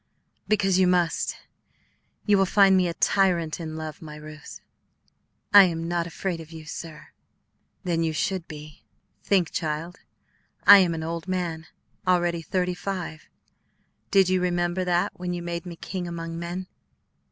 "Because you must. You will find me a tyrant in love, my Ruth." "I am not afraid of you, sir." "Then you should be. Think, child, I am an old man, already thirty five; did you remember that when you made me king among men?"